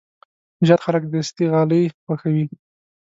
زیات خلک دستي غالۍ خوښوي.